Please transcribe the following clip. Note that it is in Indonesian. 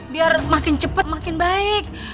biar makin cepat makin baik